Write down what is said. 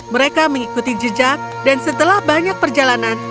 mereka mengikuti jejak dan setelah banyak perjalanan